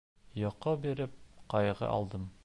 Йоҡо биреп, ҡайғы алдым.